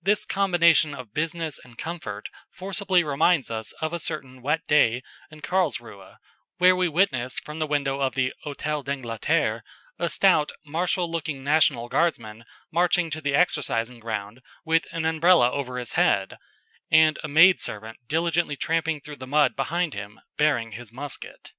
This combination of business and comfort forcibly reminds us of a certain wet day in Carlsruhe, where we witnessed from the window of the Hôtel d'Angleterre a stout, martial looking national guardsman marching to the exercising ground with an Umbrella over his head, and a maid servant diligently tramping through the mud behind him, bearing his musket.